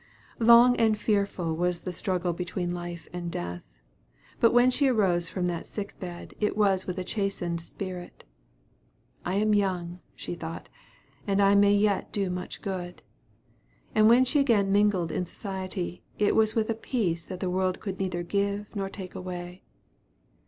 Long and fearful was the struggle between life and death; but when she arose from that sick bed, it was with a chastened spirit. "I am young," she thought, "and I may yet do much good." And when she again mingled in society, it was with a peace that the world could neither give nor take away.